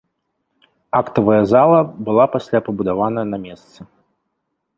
Актавая зала была пасля пабудаваны на месцы.